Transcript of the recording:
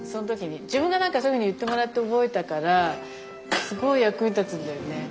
自分がそういうふうに言ってもらって覚えたからすごい役に立つんだよね。